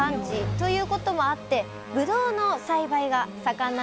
ということもあってぶどうの栽培が盛んなんですよね